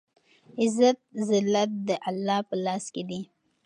عزت ذلت دالله په لاس کې دی